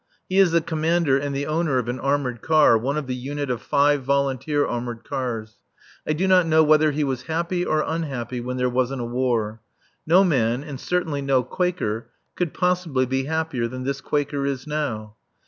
He is the commander and the owner of an armoured car, one of the unit of five volunteer armoured cars. I do not know whether he was happy or unhappy when there wasn't a war. No man, and certainly no Quaker, could possibly be happier than this Quaker is now.